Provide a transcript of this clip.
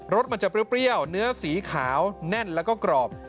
สมันจะเปรี้ยวเนื้อสีขาวแน่นแล้วก็กรอบ